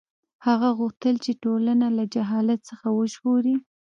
هغه غوښتل چې ټولنه له جهالت څخه وژغوري.